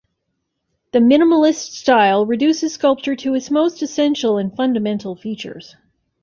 The Minimalist style reduces sculpture to its most essential and fundamental features.